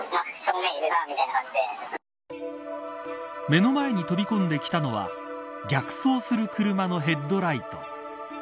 目の前に飛び込んできたのは逆走する車のヘッドライト。